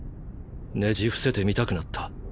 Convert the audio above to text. ねじ伏せてみたくなった。